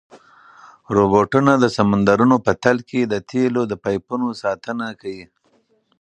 روبوټونه د سمندرونو په تل کې د تېلو د پایپونو ساتنه کوي.